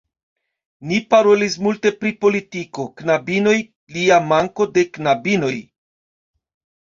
Ni parolis multe pri politiko, knabinoj, lia manko de knabinoj